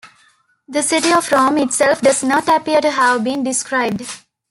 The city of Rome itself does not appear to have been described.